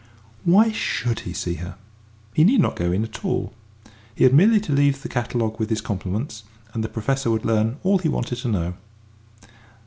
Why should he see her? He need not go in at all. He had merely to leave the catalogue with his compliments, and the Professor would learn all he wanted to know.